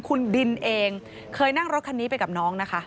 คุณดินเองเคยนั่งรถคันนี้ไปกับน้องนะคะ